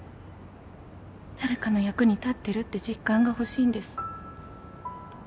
誰かの役に立ってるって実感がほしいんです